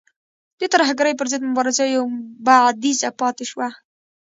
د ترهګرۍ پر ضد مبارزه یو بعدیزه پاتې شوه.